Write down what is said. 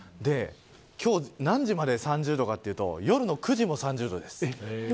今日、何時まで３０度かというと夜の９時も３０度です。